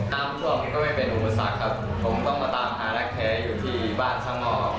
ตามตรงนี้ก็ไม่เป็นอุปสรรคครับผมต้องมาตามหารักแท้อยู่ที่บ้านช่างมอบบ้านวรินครับ